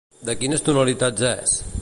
De quines tonalitats és?